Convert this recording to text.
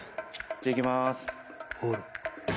じゃあいきまーす。